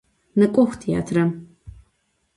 Nêk'ox têatrem!